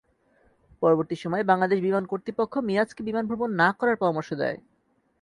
পরবর্তী সময়ে বাংলাদেশ বিমান কর্তৃপক্ষ মিরাজকে বিমান ভ্রমণ না করার পরামর্শ দেয়।